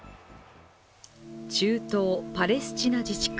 中東・パレスチナ自治区